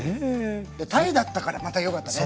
鯛だったからまたよかったね。